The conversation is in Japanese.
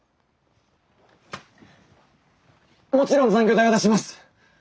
もちろん残業代は出します。